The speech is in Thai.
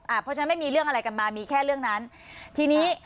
เพราะฉะนั้นไม่มีเรื่องอะไรกันมามีแค่เรื่องนั้นทีนี้